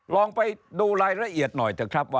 ลองไปดูรายละเอียดหน่อย